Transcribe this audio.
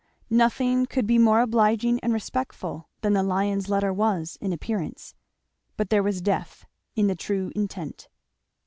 Nothing could be more obliging and respectful than the lion's letter was, in appearance; but there was death in the true intent.